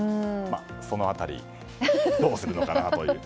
その辺り、どうするのかという。